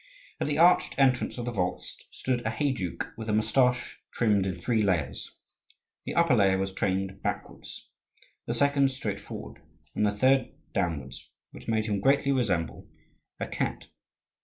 At the arched entrance of the vaults stood a heyduke, with a moustache trimmed in three layers: the upper layer was trained backwards, the second straight forward, and the third downwards, which made him greatly resemble a cat.